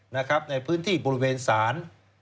ในพื้นที่บริเวณศาล